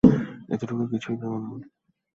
এতটুকুই, অন্যকিছু ভেবো না।